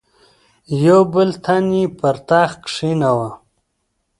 یو بل تن یې پر تخت کښېناوه.